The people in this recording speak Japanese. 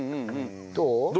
どう？